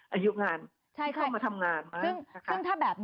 อายุงานที่เข้ามาทำงาน